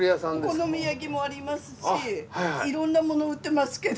お好み焼きもありますしいろんなもの売ってますけど。